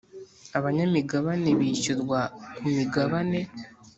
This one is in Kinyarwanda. Abanyamigabane bishyurwa ku migabane